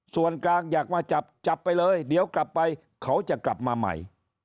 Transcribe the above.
ส่วนกลางอยากมาจับจับไปเลยเดี๋ยวกลับไปเขาจะกลับมาใหม่